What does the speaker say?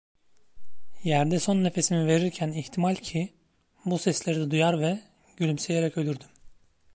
Yerde son nefesimi verirken ihtimal ki, bu sesleri de duyar ve gülümseyerek ölürdüm.